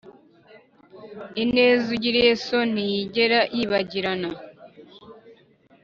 ineza ugiriye so ntiyigera yibagirana,